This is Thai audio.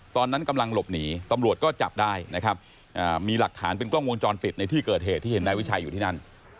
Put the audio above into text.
ตอนนั้นกำลังหลบหนีตำรวจก็จับได้นะครับมีหลักฐานเป็นกล้องวงจรปิดในที่เกิดเหตุที่เห็นนายวิชัยอยู่ที่นั่น